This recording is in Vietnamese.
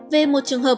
về một trường hợp